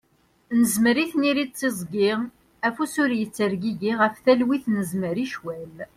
Nezmer i tniri d tiẓgi, afus ur ittergigi, ɣef talwit nezmer i ccwal.